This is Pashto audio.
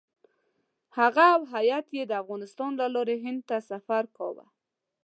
هغه او هیات یې د افغانستان له لارې هند ته سفر کاوه.